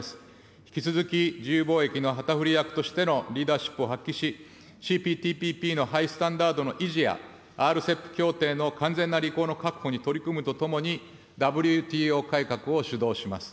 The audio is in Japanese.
引き続き自由貿易の旗振り役としてのリーダーシップを発揮し、ＣＰＴＰＰのハイスタンダードの維持や、ＲＣＥＰ協定の完全な履行の確保に取り組むとともに、ＷＴＯ改革を主導します。